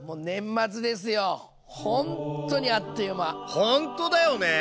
ほんとだよね。